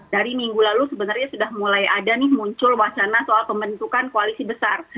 dari minggu lalu sebenarnya sudah mulai ada nih muncul wacana soal pembentukan koalisi besar